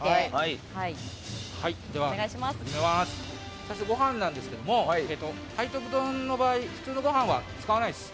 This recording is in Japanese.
最初ご飯ですが背徳丼の場合普通のご飯は使わないです。